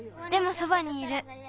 でもそばにいる。